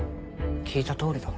聞いたとおりだ。